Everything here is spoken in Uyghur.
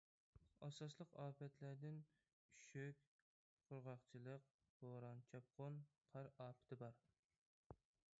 ئاساسلىق ئاپەتلەردىن ئۈششۈك، قۇرغاقچىلىق، بوران-چاپقۇن، قار ئاپىتى بار.